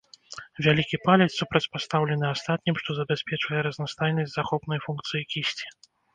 Вялікі палец супрацьпастаўлены астатнім, што забяспечвае разнастайнасць захопнай функцыі кісці.